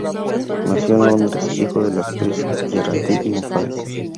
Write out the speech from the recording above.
Nació en Londres, hijo de la actriz Geraldine Moffat..